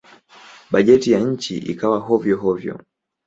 Bajeti ya nchi ikawa hovyo-hovyo.